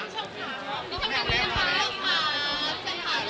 ต้องนอนให้พอ